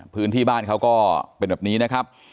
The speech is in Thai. พื้นที่บ้านเขาก็เป็นแบบนี้นะครับ